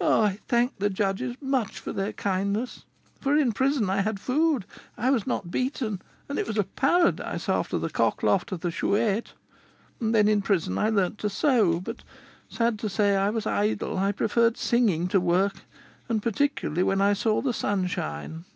I thank the judges much for their kindness; for in prison I had food, I was not beaten, and it was a paradise after the cock loft of the Chouette. Then, in prison I learned to sew; but, sad to say, I was idle: I preferred singing to work, and particularly when I saw the sun shine.